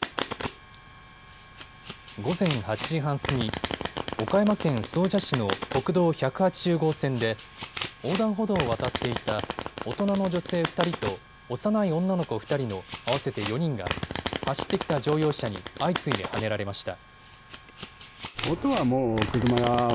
午前８時半過ぎ、岡山県総社市の国道１８０号線で横断歩道を渡っていた大人の女性２人と幼い女の子２人の合わせて４人が走ってきた乗用車に相次いではねられました。